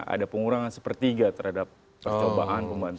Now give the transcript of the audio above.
ada pengurangan sepertiga terhadap percobaan